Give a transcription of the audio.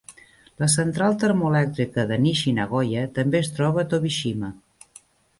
La central termoelèctrica de Nishi-Nagoya també es troba a Tobishima.